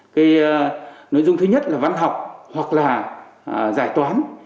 cái nội dung thứ nhất là văn học hoặc là giải toán